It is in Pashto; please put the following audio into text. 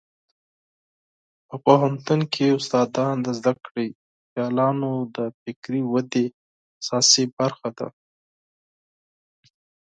په پوهنتون کې استادان د زده کړیالانو د فکري ودې اساسي برخه ده.